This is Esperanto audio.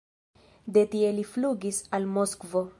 De tie li flugis al Moskvo.